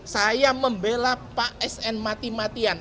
saya membela pak sn mati matian